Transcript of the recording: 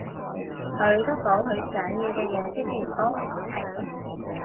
佢得到佢想要嘅嘢之前都唔會停